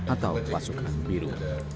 atau pasukan biru